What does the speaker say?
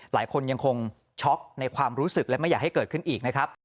หลายคนยังคงช็อกในความรู้สึกและไม่อยากให้เกิดขึ้นอีกนะครับ